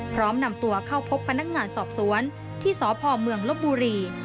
พร้อมนำตัวเข้าพบพนักงานสอบสวนที่สพเมืองลบบุรี